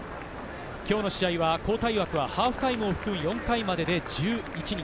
今日の試合は交代枠はハーフタイムを含め４回までで１１人。